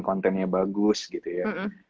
kontennya bagus gitu ya